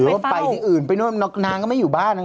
หรือว่าไปที่อื่นไปนั่งก็ไม่อยู่บ้าน